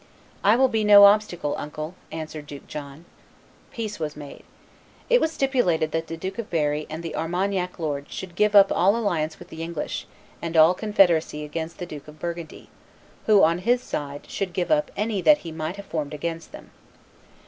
"I will be no obstacle, uncle," answered Duke John. Peace was made. It was stipulated that the Duke of Berry and the Armagnac lords should give up all alliance with the English, and all confederacy against the Duke of Burgundy, who, on his side, should give up any that he might have formed against them.